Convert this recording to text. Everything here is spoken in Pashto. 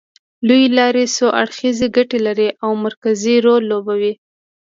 لوېې لارې څو اړخیزې ګټې لري او مرکزي رول لوبوي